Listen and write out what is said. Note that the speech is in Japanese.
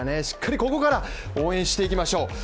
しっかりここから応援していきましょう。